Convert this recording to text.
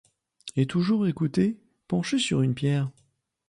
Et toujours écouter, penché sur une pierre